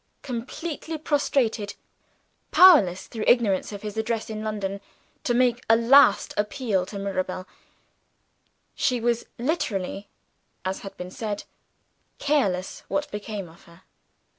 Completely prostrated; powerless, through ignorance of his address in London, to make a last appeal to Mirabel; she was literally, as had just been said, careless what became of her.